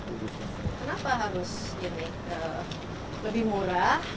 kenapa harus lebih murah